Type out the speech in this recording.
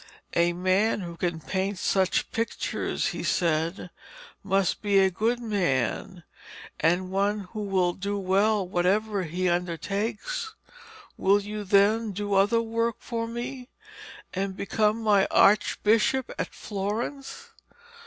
'A man who can paint such pictures,' he said, 'must be a good man, and one who will do well whatever he undertakes. Will you, then, do other work for me, and become my Archbishop at Florence?'